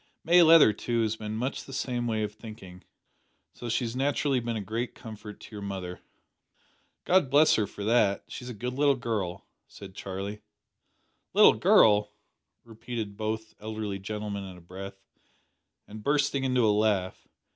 May Leather, too, has been much the same way of thinking, so she has naturally been a great comfort to your mother." "God bless her for that. She's a good little girl," said Charlie. "Little girl," repeated both elderly gentlemen in a breath, and bursting into a laugh.